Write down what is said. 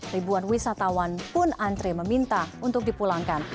ribuan wisatawan pun antre meminta untuk dipulangkan